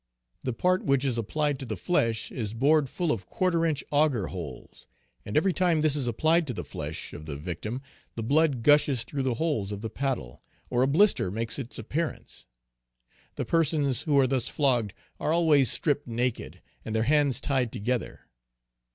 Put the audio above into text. The part which is applied to the flesh is bored full of quarter inch auger holes; and every time this is applied to the flesh of the victim, the blood gushes through the holes of the paddle, or a blister makes its appearance. The persons who are thus flogged, are always stripped naked, and their hands tied together.